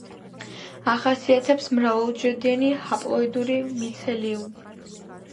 ახასიათებს მრავალუჯრედიანი ჰაპლოიდური მიცელიუმი.